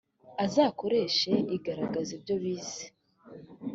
azakoresha igaragaza ibyo bize